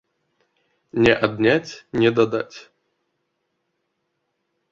Не адняць, не дадаць.